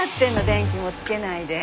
電気もつけないで。